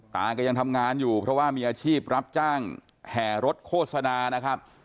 ตาก็ยังทำงานอยู่เพราะว่ามีอาชีพรับจ้างแห่รถโฆษณานะครับ